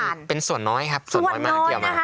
เป็นส่วนน้อยครับส่วนน้อยมากเกี่ยวมาก